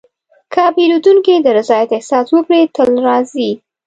که پیرودونکی د رضایت احساس وکړي، تل راځي.